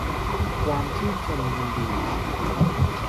ความชื่นชมยินดี